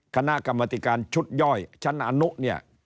คณะกรรมธิการชุดย่อยชั้นอนุเนี่ย